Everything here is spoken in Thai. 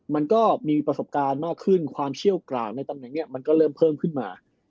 มันก็มีประสบการณ์มากขึ้นความเชี่ยวกราวในตำแหน่งนี้มันก็เริ่มเพิ่มขึ้นมา